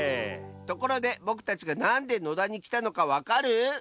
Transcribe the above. ところでぼくたちがなんで野田にきたのかわかる？